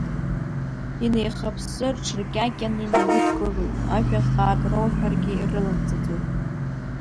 Инеихаԥсы, рҽыркьакьаны инаудгылоит, ажәахаак рауҳәаргьы ирыламӡаӡо.